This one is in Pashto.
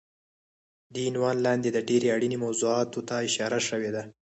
دې عنوان لاندې د ډېرې اړینې موضوعاتو ته اشاره شوی دی